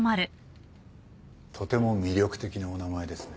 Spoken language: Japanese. とても魅力的なお名前ですね。